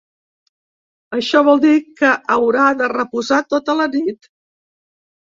Això vol dir que haurà de reposar tota la nit.